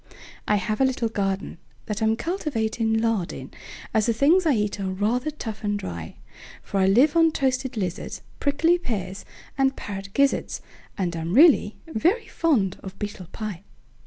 I have a little gardenThat I'm cultivating lard in, As the things I eat are rather tough and dry; For I live on toasted lizards, Prickly pears, and parrot gizzards, And I'm really very fond of beetle pie.